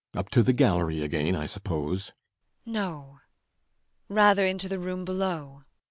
] Up to the gallery again, I suppose. ELLA RENTHEIM. No, rather into the room below.